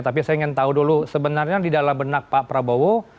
tapi saya ingin tahu dulu sebenarnya di dalam benak pak prabowo